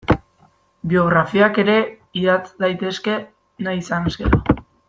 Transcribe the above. Biografiak ere idatz daitezke nahi izanez gero.